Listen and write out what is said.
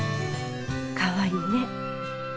かわいいね。